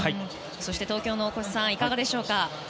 そして、大越さんいかがでしょうか？